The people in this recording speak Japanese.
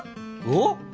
おっ？